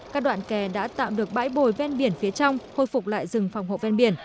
các đoạn kè đã tạo được bãi bồi ven biển phía trong hồi phục lại rừng phòng hộ ven biển